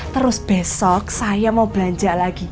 terus besok saya mau belanja lagi